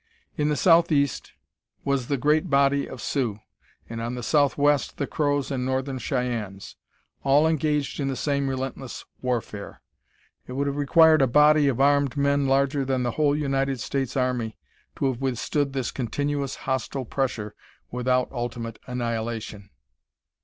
In the Southeast was the great body of Sioux, and on the Southwest the Crows and Northern Cheyennes, all engaged in the same relentless warfare. It would have required a body of armed men larger than the whole United States Army to have withstood this continuous hostile pressure without ultimate annihilation.